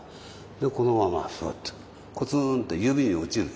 でこのままフッとコツンと指に落ちる。